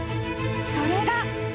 それが］